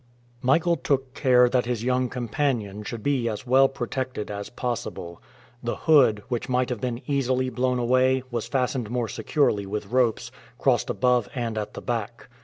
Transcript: Michael took care that his young companion should be as well protected as possible. The hood, which might have been easily blown away, was fastened more securely with ropes, crossed above and at the back.